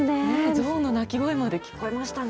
象の鳴き声まで聞こえましたね。